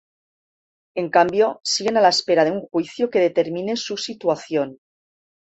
En cambio, siguen a la espera de un juicio que determine su situación.